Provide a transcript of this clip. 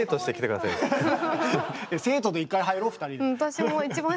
ハハハ生徒で一回入ろ２人で。